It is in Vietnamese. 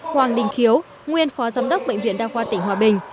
hoàng đình khiếu nguyên phó giám đốc bệnh viện đa khoa tỉnh hòa bình